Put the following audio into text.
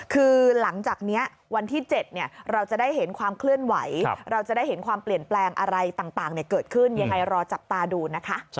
คือหลังจากนี้วันที่๗เราจะได้เห็นความเคลื่อนไหวเราจะได้เห็นความเปลี่ยนแปลงอะไรต่างเกิดขึ้นยังไงรอจับตาดูนะคะ